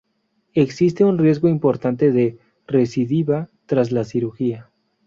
Existe un riesgo importante de recidiva tras la cirugía.